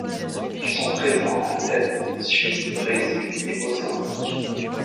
Ils sont présents en Italie, Suisse, Brésil et Mozambique.